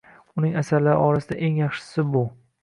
Uning asarlari orasida eng yaxshisi bu.